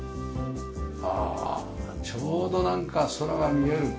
ああちょうどなんか空が見える。